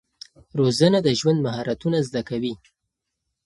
روزنه د ژوند مهارتونه زده کوي.